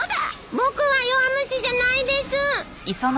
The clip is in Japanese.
僕は弱虫じゃないです！